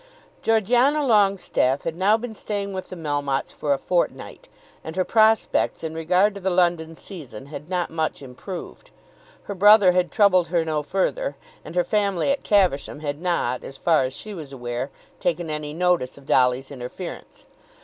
Georgiana Longestaffe had now been staying with the Melmottes for a fortnight, and her prospects in regard to the London season had not much improved. Her brother had troubled her no further, and her family at Caversham had not, as far as she was aware, taken any notice of Dolly's interference.